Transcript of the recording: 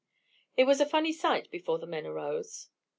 It was a funny sight before the men arose.